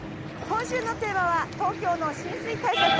今週のテーマは東京の浸水対策。